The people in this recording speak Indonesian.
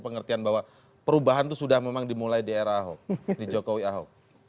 berarti perubahan itu sudah dimulai di era ahok di jokowi ahok